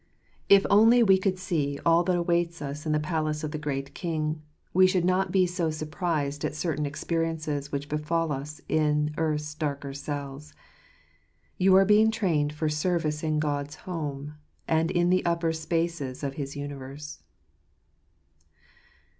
If only we could see all that awaits us in the palace of the Great King, we should not be so surprised at certain ex periences which befal us in earth's darker cells. You are being trained for service in God's Home, and in the upper spaces of his universe.